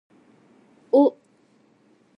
お